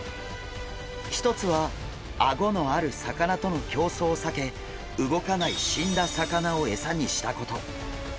一つはアゴのある魚との競争を避け動かない死んだ魚を餌にしたこと。